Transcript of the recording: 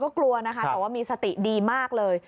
ก็กลัวนะคะแต่ว่ามีสติดีมากเลย